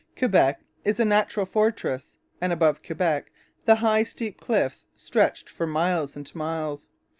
Quebec is a natural fortress; and above Quebec the high, steep cliffs stretched for miles and miles.